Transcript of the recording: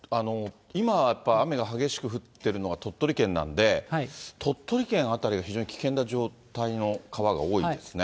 今はやっぱり雨が激しく降ってるのが鳥取県なんで、鳥取県辺りが非常に危険な状態の川が多いんですね。